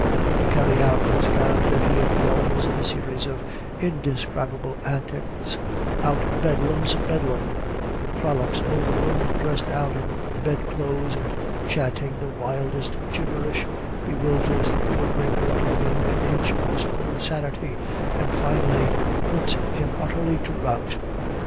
To carry out this character he indulges in a series of indescribable antics, out Bedlams Bedlam, frolics over the room dressed out in the bed clothes and chanting the wildest gibberish, bewilders the poor draper to within an inch of his own sanity and finally puts him utterly to rout.